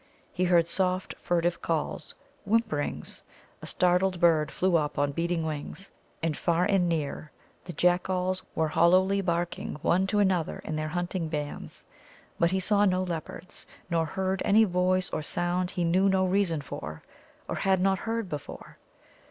He heard soft, furtive calls, whimperings. A startled bird flew up on beating wings, and far and near the Jack Alls were hollowly barking one to another in their hunting bands. But he saw no leopards nor heard any voice or sound he knew no reason for, or had not heard before.